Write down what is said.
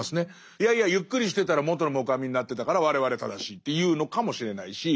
いやいやゆっくりしてたら元のもくあみになってたから我々正しいって言うのかもしれないし。